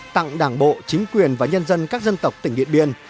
tặng đảng bộ chính quyền và nhân dân các dân tộc tỉnh điện biên